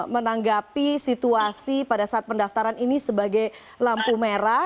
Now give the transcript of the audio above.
menanggapi situasi pada saat pendaftaran ini sebagai lampu merah